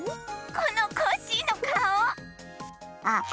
このコッシーのかお！あっ。